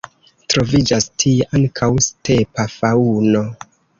Troviĝas tie ankaŭ stepa faŭno.